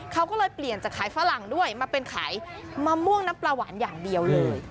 เขาก็เลยเปลี่ยนจากขายฝรั่งด้วยมาเป็นขายมะม่วงน้ำปลาหวานอย่างเดียวเลย